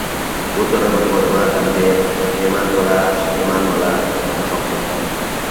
Кутырымыж годымат ынде «шке манмыла, шке манмыла» ок шокто.